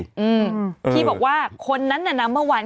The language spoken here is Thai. อืมที่บอกว่าคนนั้นน่ะนะเมื่อวาน